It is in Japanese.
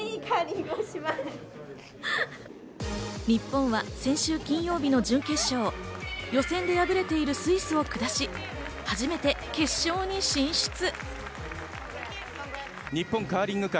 日本は先週金曜日の準決勝、予選で敗れているスイスを下し、初めて決勝に進出。